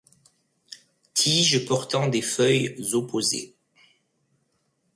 Tige portant des feuilles opposées.